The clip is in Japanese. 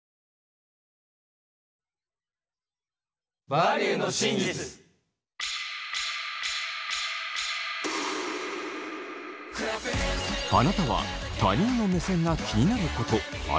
あなたは他人の目線が気になることありませんか？